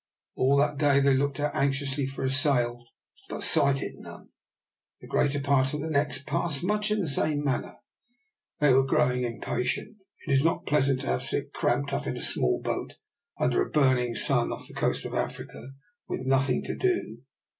All that day they looked out anxiously for a sail, but sighted none. The greater part of the next passed much in the same manner. They were growing impatient. It is not pleasant to have to sit cramped up in a small boat under a burning sun off the coast of Africa with nothing to do.